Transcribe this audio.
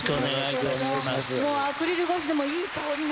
もうアクリル越しでもいい香りが。